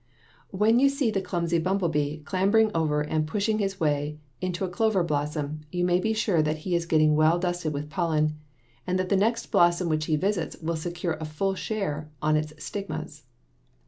When you see the clumsy bumblebee clambering over and pushing his way into a clover blossom, you may be sure that he is getting well dusted with pollen and that the next blossom which he visits will secure a full share on its stigmas.